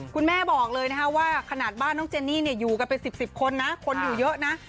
คุณแม่บอกเลยนะคะว่าขนาดบ้านน้องเจนนี่อยู่กันเป็น๑๐คนนะคนอยู่เยอะนะ